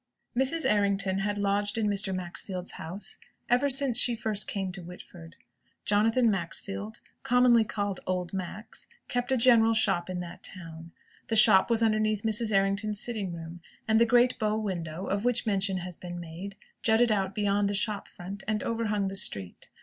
Mrs. Errington had lodged in Mr. Maxfield's house ever since she first came to Whitford. Jonathan Maxfield, commonly called "Old Max," kept a general shop in that town. The shop was underneath Mrs. Errington's sitting room, and the great bow window, of which mention has been made, jutted out beyond the shop front, and overhung the street.